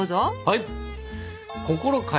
はい！